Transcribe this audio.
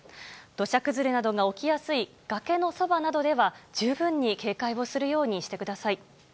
土砂崩れなどが起きやすい崖のそばなどでは、十分に警戒をするようにしてください。